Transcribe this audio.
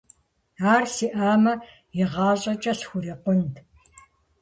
Ар сиӀамэ, игъащӀэкӀэ схурикъунт.